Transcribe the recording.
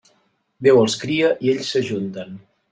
Déu els cria i ells s'ajunten.